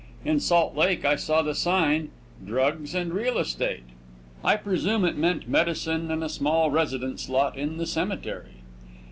In Salt Lake I saw the sign, "Drugs and Real Estate." I presume it meant medicine and a small residence lot in the cemetery.